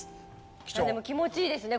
でも気持ちいいですね